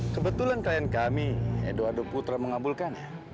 kebetulan klien kami edo adoputra mengabulkannya